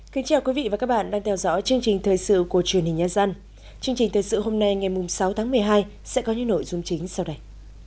chương trình thời sự hôm nay ngày sáu tháng một mươi hai sẽ có những nội dung chính sau đây